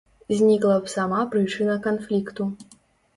Знікла б сама прычына канфлікту.